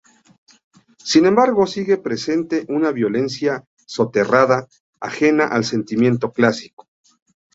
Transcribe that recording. Sin embargo, sigue presente una violencia soterrada ajena al sentimiento clásico.